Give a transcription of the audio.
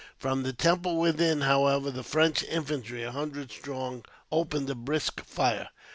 From the temple within, however, the French infantry, a hundred strong, opened a brisk fire.